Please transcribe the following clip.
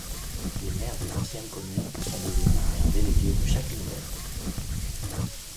Les maires des anciennes communes sont devenus maires délégués de chacune d'elles.